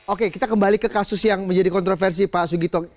oke kita kembali ke kasus yang menjadi kontroversi pak sugito